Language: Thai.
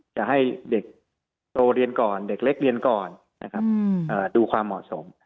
จะให้เด็กโตเรียนก่อนเด็กเล็กเรียนก่อนนะครับดูความเหมาะสม